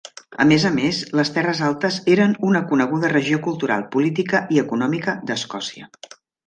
A més amés, les Terres Altes eren una coneguda regió cultural, política i econòmica d'Escòcia.